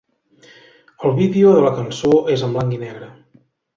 El vídeo de la cançó és en blanc i negre.